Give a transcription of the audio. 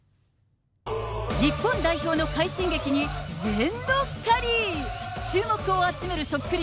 日本代表の快進撃に全乗っかり。